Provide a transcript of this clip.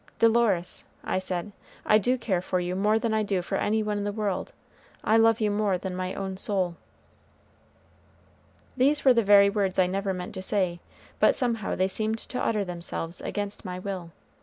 "Dolores," I said, "I do care for you more than I do for any one in the world; I love you more than my own soul." These were the very words I never meant to say, but somehow they seemed to utter themselves against my will.